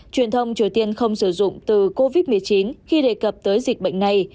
truyền thông triều tiên không sử dụng từ covid một mươi chín khi đề cập tới dịch bệnh này